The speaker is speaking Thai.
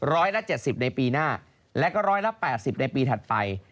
ร้อยละ๗๐ในปีหน้าและก็ร้อยละ๘๐ในปีถัดไป